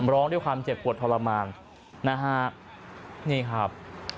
ร้องด้วยความเจ็บปวดทรมานนะฮะนี่ครับ